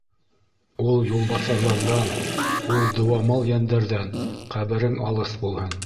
Ул юлбаҫарҙарҙан, ул дыуамал йәндәрҙән ҡәберең алыҫ булһын!